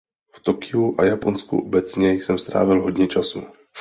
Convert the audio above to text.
V Tokiu a Japonsku obecně jsem strávil hodně času.